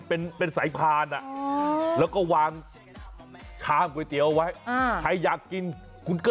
เออเฮ้ยอย่างเก๋อะนี่จริง